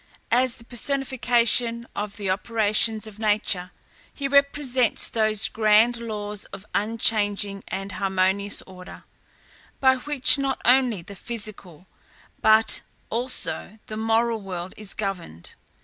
As the personification of the operations of nature, he represents those grand laws of unchanging and harmonious order, by which not only the physical but also the moral world is governed.